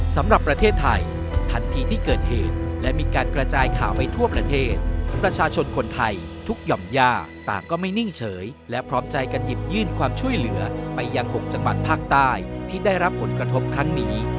สำหรับประเทศไทยทันทีที่เกิดเหตุและมีการกระจายข่าวไปทั่วประเทศประชาชนคนไทยทุกหย่อมย่าต่างก็ไม่นิ่งเฉยและพร้อมใจกันหยิบยื่นความช่วยเหลือไปยัง๖จังหวัดภาคใต้ที่ได้รับผลกระทบครั้งนี้